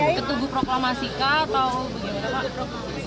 ketubuh proklamasi atau bagaimana pak